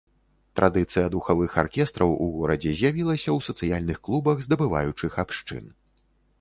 Традыцыя духавых аркестраў у горадзе з'явілася ў сацыяльных клубах здабываючых абшчын.